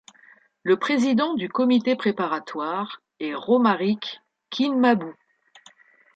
Le président du comité préparatoire est Romaric Kinmabou.